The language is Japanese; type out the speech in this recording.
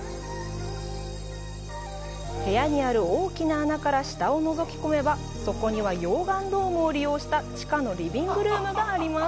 部屋にある大きな穴から下をのぞき込めばそこには溶岩ドームを利用した地下のリビングルームがあります。